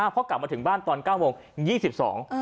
พอกลับมาถึงบ้านตอนเก้าโมง๒๒